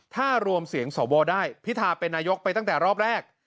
ถ้ารวมเสียงสวได้พิธาเป็นนายกไปตั้งแต่รอบแรก